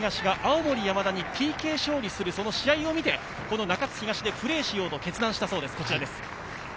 ７大会前に中津東が青森山田にＰＫ勝利する試合を見て中津東でプレーしようと決断したそうです。